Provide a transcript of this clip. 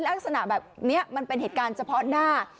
ลักษณะแบบนี้มันเป็นเหตุการณ์เฉพาะหน้า